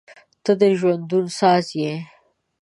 • ته د ژوندون ساز یې.